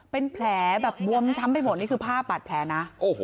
เป็นแผลแบบบวมช้ำไปหมดนี่คือภาพบาดแผลนะ